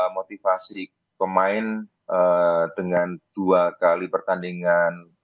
motivasi pemain dengan dua kali pertandingan